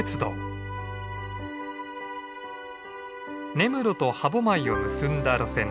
根室と歯舞を結んだ路線です。